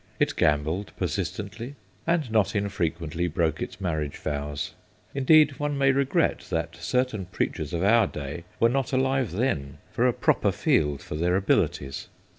It gambled persistently, and not infrequently broke its marriage vows. Indeed, one may regret that certain preachers of our day were not alive then for a proper field for their abilities.